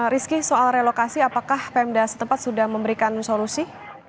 rizky soal relokasi apakah pemda setempat sudah memberikan solusi